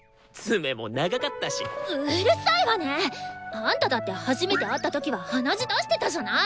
あんただって初めて会った時は鼻血出してたじゃない！